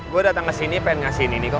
gue datang kesini pengen ngasihin ini kok